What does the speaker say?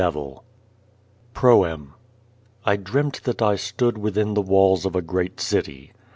AN WO) DEVll PROEM 1 DREAMT that I stood within the walls of a great city.